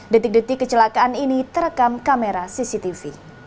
detik detik kecelakaan ini terekam kamera cctv